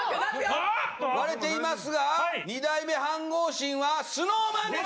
割れていますが２代目飯ごう神はＳｎｏｗＭａｎです！